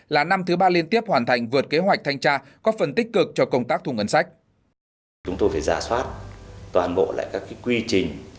là năm thứ ba liên tiếp hoàn thành vượt kế hoạch thanh tra có phần tích cực cho công tác thu ngân sách